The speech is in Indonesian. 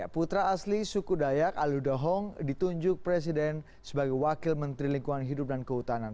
putra asli suku dayak aludohong ditunjuk presiden sebagai wakil menteri lingkungan hidup dan kehutanan